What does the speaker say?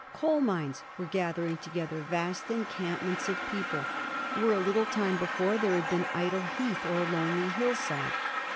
Coal mines were gather ing together vast encampments of people where a little time before there had been idle heath or lonely hill side.